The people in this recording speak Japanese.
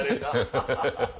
ハハハハ！